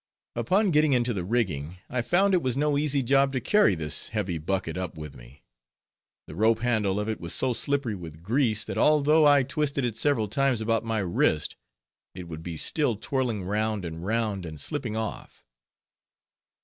Upon getting into the rigging, I found it was no easy job to carry this heavy bucket up with me. The rope handle of it was so slippery with grease, that although I twisted it several times about my wrist, it would be still twirling round and round, and slipping off.